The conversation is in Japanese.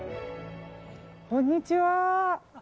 こんにちは。